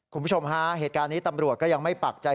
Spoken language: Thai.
คุณผู้ชมฮะเหตุการณ์นี้ตำรวจก็ยังไม่ปักใจ